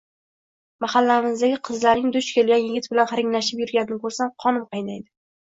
Mahallamizdagi qizlarning duch kelgan yigit bilan hiringlashib yurganini ko`rsam qonim qaynaydi